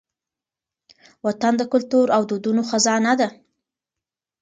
وطن د کلتور او دودونو خزانه ده.